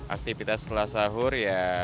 aktivitas setelah sahur ya